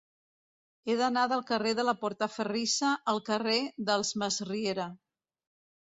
He d'anar del carrer de la Portaferrissa al carrer dels Masriera.